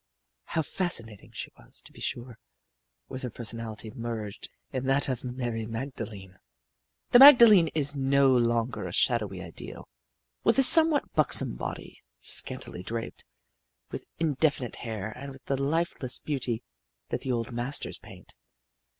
How fascinating she was, to be sure, with her personality merged in that of Mary Magdalene! The Magdalene is no longer a shadowy ideal with a somewhat buxom body, scantily draped, with indefinite hair and with the lifeless beauty that the old masters paint.